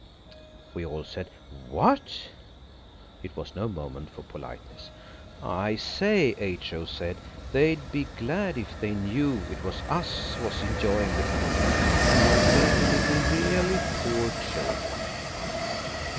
We all said, "What?" It was no moment for politeness. "I say," H.O. said, "they'd be glad if they knew it was us was enjoying the pudding, and not dirty little, really poor children."